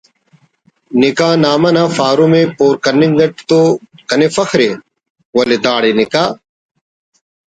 نکاح نامہ نا فارم ءِ پر کننگ اٹ تو کنے فخر ءِ ولے داڑے نکاح